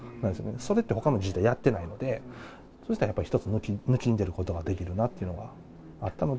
それってほかの自治体、やってないので、そうしたら一つ抜きんでることができるなというのがあったので。